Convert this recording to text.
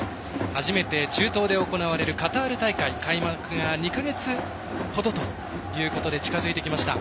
初めて中東で行われるカタール大会、開幕が２か月ほどということで近づいてきました。